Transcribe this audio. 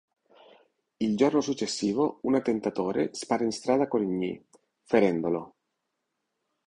Il giorno successivo un attentatore spara in strada a Coligny, ferendolo.